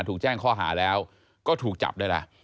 ถูกแจ้งข้อหาแล้วก็ถูกจับได้ล่ะ